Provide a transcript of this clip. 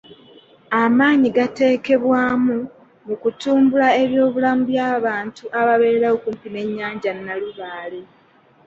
Amaanyi gateekebwamu mu kutumbula eby'obulamu by'abantu ababeera okumpi n'ennyanja Nalubaale.